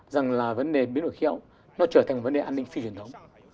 rằng là vấn đề biến đổi khí hậu nó trở thành vấn đề an ninh phi truyền thống